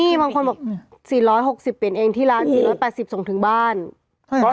นี่บางคนบอก๔๖๐เป็นเองที่ร้าน๔๘๐ส่งถึงบ้าน